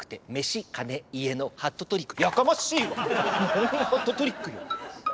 何がハットトリックよ！